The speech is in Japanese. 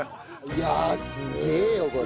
いやあすげえよこれ。